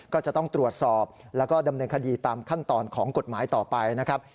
ก็จะต้องตรวจสอบแล้วก็ดำเนินคดีตามขั้นตอนของกฎหมายต่อไปนะครับ